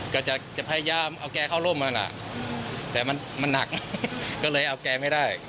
ก็จะพยายามเอาแกเข้าร่มนั่นแหละแต่มันหนักก็เลยเอาแกไม่ได้